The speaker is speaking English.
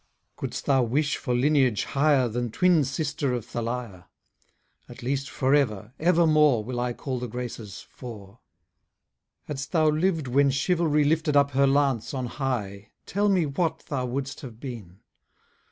Couldst thou wish for lineage higher Than twin sister of Thalia? At least for ever, evermore, Will I call the Graces four. Hadst thou liv'd when chivalry Lifted up her lance on high, Tell me what thou wouldst have been?